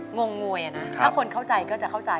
งงงวยนะถ้าคนเข้าใจก็จะเข้าใจ